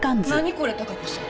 これ貴子さん。